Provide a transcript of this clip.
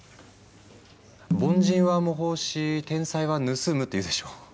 「凡人は模倣し天才は盗む」って言うでしょ。